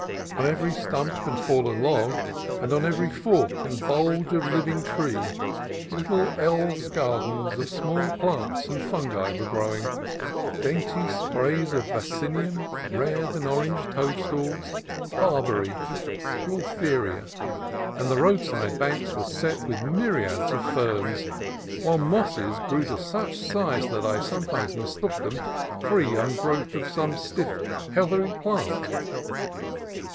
On every stump and fallen log, and on every fork and bulge of living tree, little elves' gardens of small plants and fungi were growing, — dainty sprays of vaccin ium, red and orange toadstools, barberry, gaul theria : and the roadside banks were set with myriads of ferns, while mosses grew to such size that I some times mistook them for a young growth of some stiff, heathery plant.